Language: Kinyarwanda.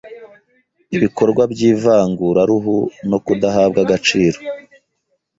Ibikorwa by’ivanguraruhu no kudahabwa agaciro